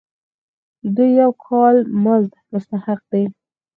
دوی د یو کال مزد مستحق دي.